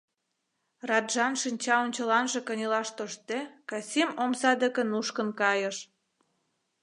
Раджан шинча ончыланже кынелаш тоштде Касим омса деке нушкын кайыш.